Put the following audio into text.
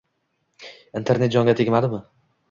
Internet jonga tegmadimi?